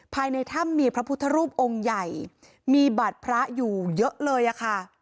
ภายในถ้ำมีพระพุทธรูปองค์ใหญ่มีบัตรพระอยู่เยอะเลยอะค่ะ